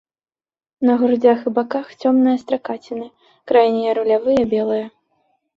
На грудзях і баках цёмныя стракаціны, крайнія рулявыя белыя.